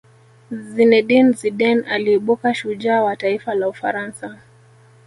zinedine zidane aliibuka shujaa wa taifa la ufaransa